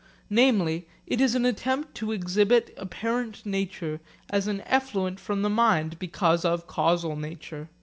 Namely, it is an attempt to exhibit apparent nature as an effluent from the mind because of causal nature.